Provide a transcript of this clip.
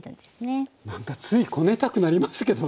何かついこねたくなりますけどね。